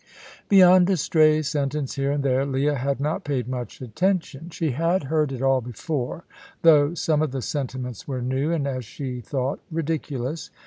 Beyond a stray sentence here and there, Leah had not paid much attention: she had heard it all before, though some of the sentiments were new, and, as she thought, ridiculous.